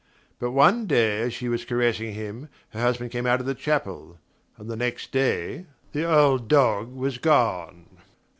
But one day as she was caressing him her husband came out of the chapel; and the next day the old dog was gone...